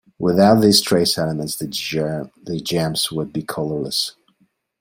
Without these trace elements, the gems would be colourless.